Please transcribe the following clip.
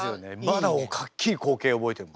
まだはっきり光景覚えてんの。